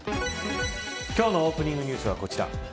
今日のオープニングニュースはこちら。